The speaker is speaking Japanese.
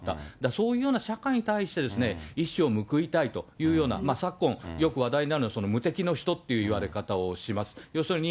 そういうような社会に対して、一矢を報いたいというような、昨今、よく話題になる無敵の人っていわれ方をします。